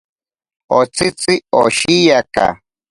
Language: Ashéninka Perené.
Otsitzi oshiaka.